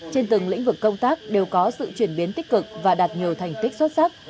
trên từng lĩnh vực công tác đều có sự chuyển biến tích cực và đạt nhiều thành tích xuất sắc